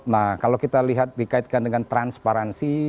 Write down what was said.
nah kalau kita lihat dikaitkan dengan transparansi